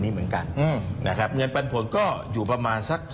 นะครับเงินปันผลก็อยู่ประมาณสัก๓๕๓๖